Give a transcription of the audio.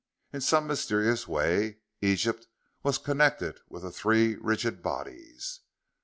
In some mysterious way, Egypt was connected with the three rigid bodies.